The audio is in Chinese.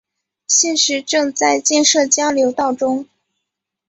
现时正在建设交流道中。